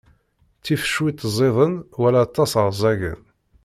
Ttif cwiṭ ẓiden, wala aṭas ṛẓagen.